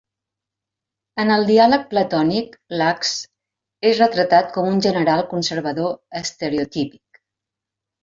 En el diàleg platònic Laques, és retratat com un general conservador estereotípic.